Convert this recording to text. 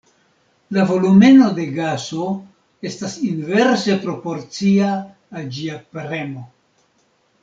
La volumeno de gaso estas inverse proporcia al ĝia premo.